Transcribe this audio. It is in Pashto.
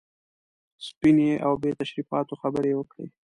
سپینې او بې تشریفاتو خبرې یې وکړې.